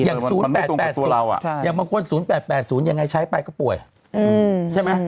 ๐๘๘๐อย่างบางคน๐๘๘๐ยังไงใช้ไปก็ป่วยใช่ไหม